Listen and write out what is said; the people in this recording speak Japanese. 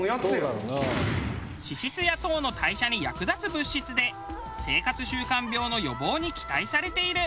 脂質や糖の代謝に役立つ物質で生活習慣病の予防に期待されている。